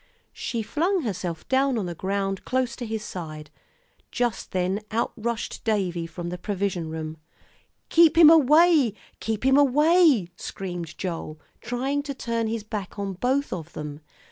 She flung herself down on the ground close to his side. Just then out rushed Davie from the provision room. "Keep him away, keep him away," screamed Joel, trying to turn his back on both of them.